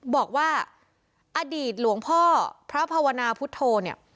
บอกว่าอดีตหลวงพ่อพระภาวนาพุทธโธเนี่ย